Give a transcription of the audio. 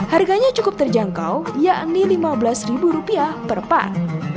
harganya cukup terjangkau yakni rp lima belas rupiah per pak